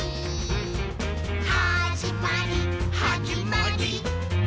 「はじまりはじまりー！」